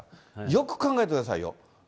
よく考えてくださいよ。